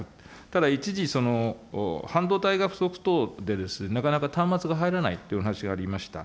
ただ、一時、半導体が不足等で、なかなか端末が入らないというお話がありました。